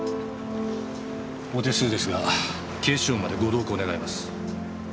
お手数ですが警視庁までご同行願います。